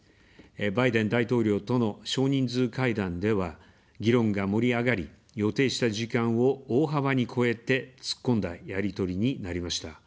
バイデン大統領との少人数会談では、議論が盛り上がり、予定した時間を大幅に超えて、突っ込んだやり取りになりました。